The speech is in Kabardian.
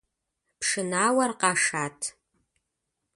Пшынауэр къашат.